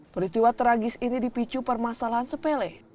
peristiwa tragis ini dipicu permasalahan sepele